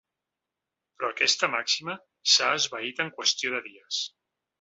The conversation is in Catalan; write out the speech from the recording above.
Però aquesta màxima s’ha esvaït en qüestió de dies.